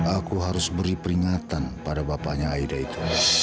aku harus beri peringatan pada bapaknya aida itu